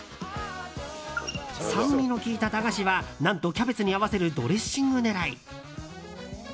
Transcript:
酸味の効いた駄菓子は何とキャベツに合わせるドレッシング狙い。